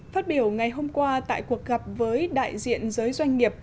phát biểu ngày hôm qua tại cuộc gặp với đại diện giới doanh nghiệp